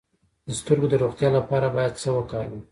د سترګو د روغتیا لپاره باید څه وکاروم؟